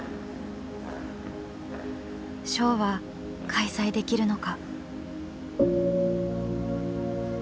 「ショーは開催できるのか？」。